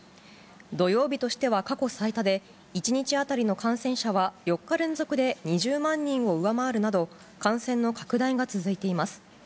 土曜日としては過去最多で、１日当たりの感染者は、４日連続で２０万人を上回るなど、感染の拡大が続いています。